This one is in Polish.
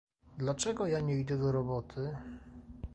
"Dlaczego ja nie idę do roboty?..."